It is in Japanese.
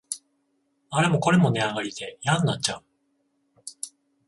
あれもこれも値上がりでやんなっちゃう